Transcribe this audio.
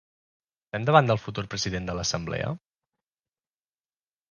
Estem davant del futur president de l’assemblea?